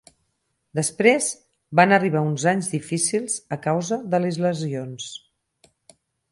Després van arribar uns anys difícils a causa de les lesions.